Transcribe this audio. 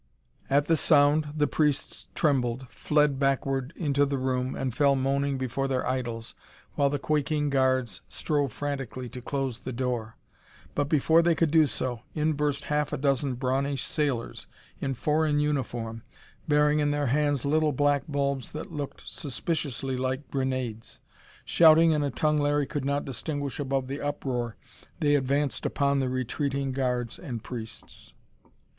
At the sound, the priests trembled, fled backward into the room and fell moaning before their idols, while the quaking guards strove frantically to close the door. But before they could do so, in burst a half dozen brawny sailors in foreign uniform, bearing in their hands little black bulbs that looked suspiciously like grenades. Shouting in a tongue Larry could not distinguish above the uproar, they advanced upon the retreating guards and priests.